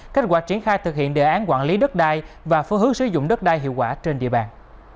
kết quả triển khai thực hiện đề án quản lý đất đai và phương hướng sử dụng đất đai hiệu quả trên địa bàn